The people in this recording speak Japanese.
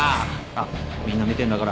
あっみんな見てんだから。